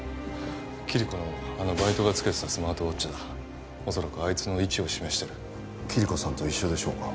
キリコのあのバイトが着けてたスマートウォッチだ恐らくあいつの位置を示してるキリコさんと一緒でしょうか？